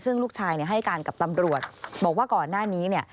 ซึ่งลูกชายให้การกับตำรวจบอกว่าก่อนหน้านี้